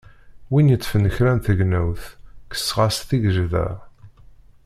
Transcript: Win yeṭṭfen kra n tegnewt, kkseɣ-as tigejda.